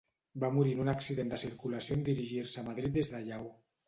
Va morir en un accident de circulació en dirigir-se a Madrid des de Lleó.